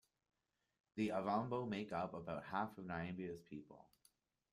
The Ovambo make up about half of Namibia's people.